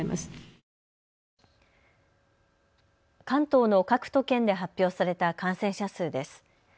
関東の各都県で発表された感染者数です。